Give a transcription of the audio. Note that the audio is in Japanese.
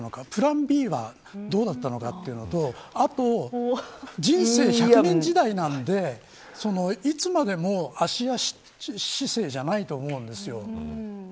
プランＢがあったのかというのと人生１００年時代なのでいつまでも芦屋市政じゃないと思うんです。